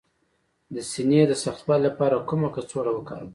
د سینې د سختوالي لپاره کومه کڅوړه وکاروم؟